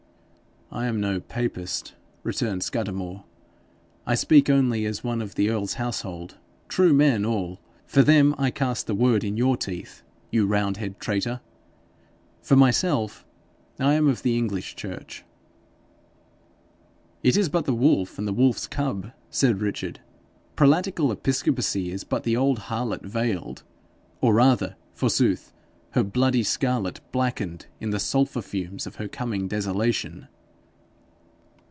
'I am no papist,' returned Scudamore. 'I speak only as one of the earl's household true men all. For them I cast the word in your teeth, you roundhead traitor! For myself I am of the English church.' 'It is but the wolf and the wolf's cub,' said. Richard. 'Prelatical episcopacy is but the old harlot veiled, or rather, forsooth, her bloody scarlet blackened in the sulphur fumes of her coming desolation.'